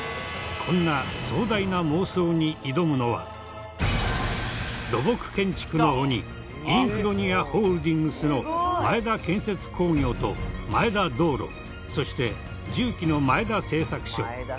こんな土木建築の鬼インフロニア・ホールディングスの前田建設工業と前田道路そして重機の前田製作所。